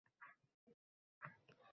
Ko’p — ehtiyotkor edi.